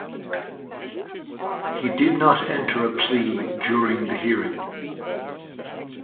He did not enter a plea during the hearing.